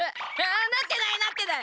なってないなってない！